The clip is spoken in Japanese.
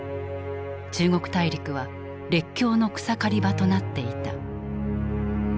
中国大陸は列強の草刈り場となっていた。